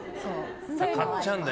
買っちゃうんだ。